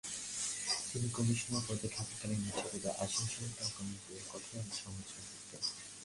তিনি কমিশনার পদে থাকাকালীন উচ্চপদে আসীন সরকারী কর্মচারীদের কঠোর সমালোচনা করতেন।